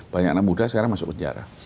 banyak anak muda sekarang masuk penjara